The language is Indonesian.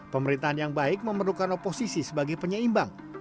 pemerintahan yang baik memerlukan oposisi sebagai penyeimbang